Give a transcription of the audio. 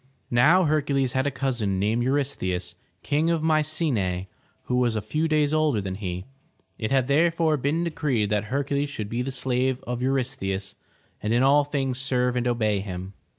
Now Hercules had a cousin named Eu rystheus, Kang of My ce'nae, who was a few days older than he. It had therefore been decreed that Hercules should be the slave of Eurystheus and in 424 THE TREASURE CHEST all things serve and obey him.